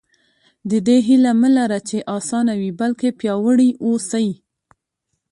د دې هیله مه لره چې اسانه وي بلکې پیاوړي اوسئ.